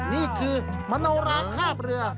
นี่คือมโนราคาบเรือ